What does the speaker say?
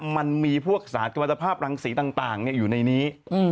มันมีพวกสารกวรรณภาพรังสีต่างอยู่ในนี้